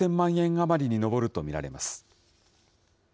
あまりに上ると見られます。